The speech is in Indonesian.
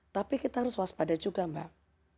tapi kita harus waspada juga mbak